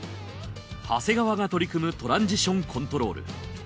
長谷川が取り組むトランジションコントロール。